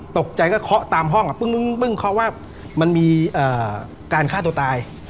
ตกใจก็เคาะตามห้องปึ้งเคาะว่ามันมีการฆ่าตัวตาย